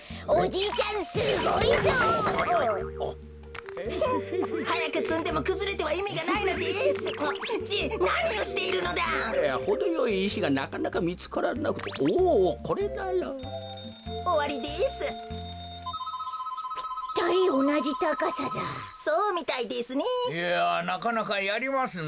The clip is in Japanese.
いやなかなかやりますな。